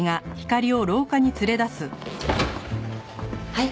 はい？